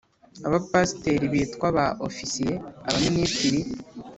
Abapasiteri bitwa ba Ofisiye abaministiri